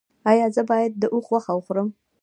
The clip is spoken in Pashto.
ایا زه باید د اوښ غوښه وخورم؟